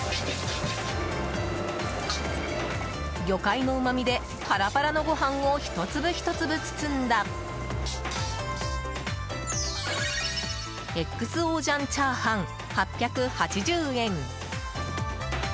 魚介のうまみでパラパラのご飯を一粒一粒、包んだＸＯ醤チャーハン、８８０円。